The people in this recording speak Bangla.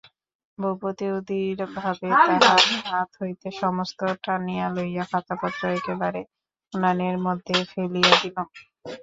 ভূপতি অধীরভাবে তাহার হাত হইতে সমস্ত টানিয়া লইয়া খাতাপত্র একেবারে উনানের মধ্যে ফেলিয়া দিল।